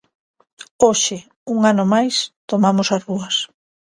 Hoxe, un ano máis, tomamos as rúas.